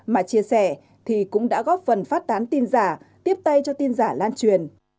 mà chia sẻ thì cũng đã góp phần phát tán tin giả tiếp tay cho tin giả lan truyền